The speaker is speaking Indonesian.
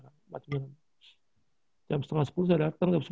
macamnya jam setengah sepuluh saya datang